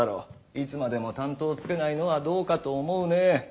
いつまでも担当をつけないのはどうかと思うね。